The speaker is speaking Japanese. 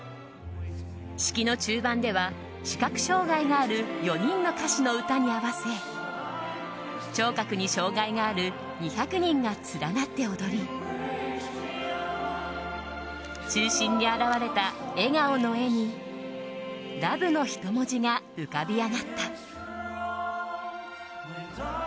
式の中盤では視覚障害がある４人の歌手の歌に合わせ聴覚に障害がある２００人が連なって踊り中心に現れた笑顔の絵に「ＬＯＶＥ」の人文字が浮かび上がった。